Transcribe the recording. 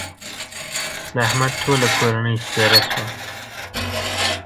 د احمد ټوله کورنۍ سپېره شوه.